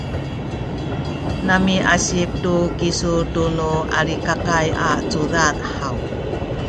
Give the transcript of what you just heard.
namiasip tu kisu tunu Alikakay a cudad haw?